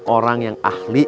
orang yang ahli